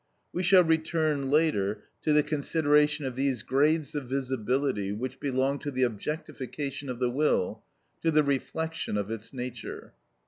We shall return later to the consideration of these grades of visibility which belong to the objectification of the will, to the reflection of its nature.